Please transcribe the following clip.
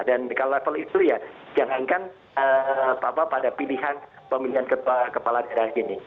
dan kalau level itu ya jangankan apa apa pada pilihan pemilihan kepala daerah gini